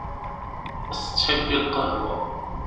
Tettḥibbi lqahwa.